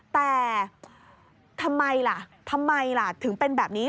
แต่ทำไมล่ะทำไมล่ะถึงเป็นแบบนี้